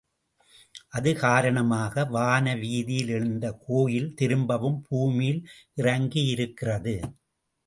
அது காரணமாக வான வீதியில் எழுந்த கோயில் திரும்பவும் பூமியில் இறங்கியிருக்கிறது.